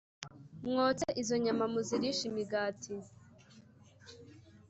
Mwotse izo nyama muzirishe imigati